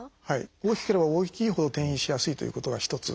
大きければ大きいほど転移しやすいということが一つ。